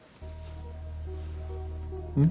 うん？